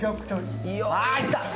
あ、いった。